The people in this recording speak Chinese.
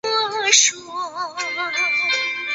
萨格奈是挪威首都奥斯陆的一个地区。